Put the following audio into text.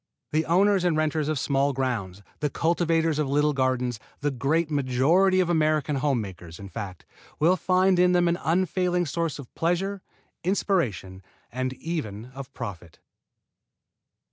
The owners and renters of small grounds, the cultivators of little gardens the great majority of American home makers, in fact, will find in them an unfailing source of pleasure, inspiration, and even of profit.